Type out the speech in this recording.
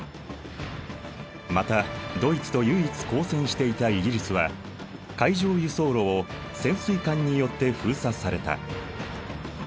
またドイツと唯一抗戦していたイギリスは海上輸送路を潜水艦によって封鎖された。